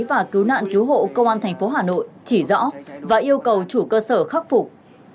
và cứu nạn cứu hộ công an tp hà nội chỉ rõ và yêu cầu chủ cơ sở khắc phục